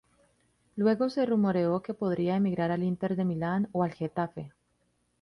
Luego, se rumoreó que podría emigrar al Inter de Milán o al Getafe.